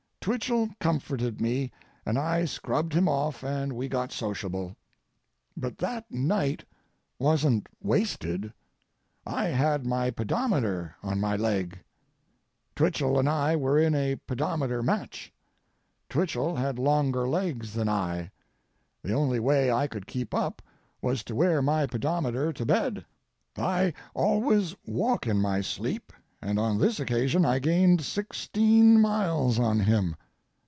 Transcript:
Twichell comforted me and I scrubbed him off and we got sociable. But that night wasn't wasted. I had my pedometer on my leg. Twichell and I were in a pedometer match. Twichell had longer legs than I. The only way I could keep up was to wear my pedometer to bed. I always walk in my sleep, and on this occasion I gained sixteen miles on him.